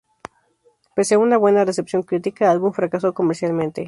Pese a una buena recepción crítica, álbum fracaso comercialmente.